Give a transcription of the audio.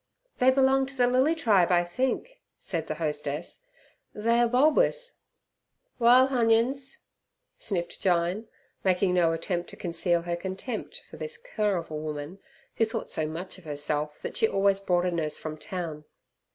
"They belong to the lily tribe, I think," said the hostess. "They are bulbous." "Wile hunyions," sniffed Jyne, making no attempt to conceal her contempt for this cur of a woman, who thought so much of herself that she always brought a nurse from town.